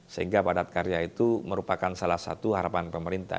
sehingga padat karya itu merupakan salah satu harapan pemerintah